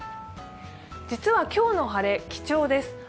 実は今日の晴れ、貴重です。